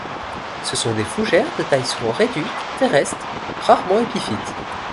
Ce sont des fougères de taille souvent réduite, terrestres, rarement épiphytes.